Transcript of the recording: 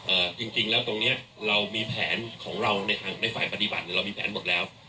เอ่อจริงจริงแล้วตรงเนี้ยเรามีแผนของเราในฝ่ายปฏิบัติเรามีแผนหมดแล้ว